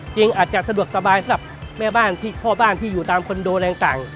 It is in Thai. จริงอาจจะสะดวกสบายสำหรับแม่บ้านที่พ่อบ้านที่อยู่ตามคอนโดอะไรต่าง